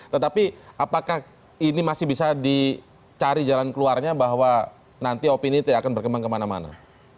tetapi apakah ini masih bisa dicari jalan keluarnya bahwa nanti opini akan berkembang kemana mana